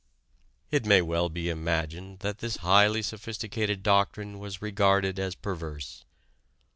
It may well be imagined that this highly sophisticated doctrine was regarded as perverse.